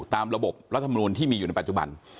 ตามระบบรัฐมนูลที่มีอยู่ในปัจจุบัน